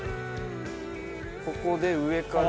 ここで上から。